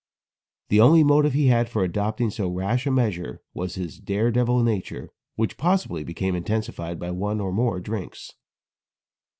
The only motive he had for adopting so rash a measure was his dare devil nature, which possibly became intensified by one or more drinks.